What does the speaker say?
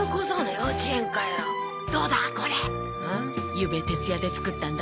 ゆうべ徹夜で作ったんだ。